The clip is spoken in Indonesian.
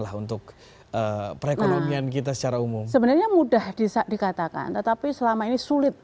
lah untuk perekonomian kita secara umum sebenarnya mudah bisa dikatakan tetapi selama ini sulit